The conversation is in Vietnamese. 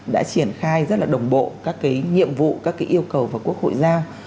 đã triển khai rất là đồng bộ các cái nhiệm vụ các cái yêu cầu và quốc hội giao